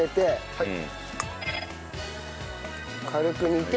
はい。